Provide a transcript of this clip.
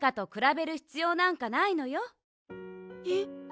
えっ？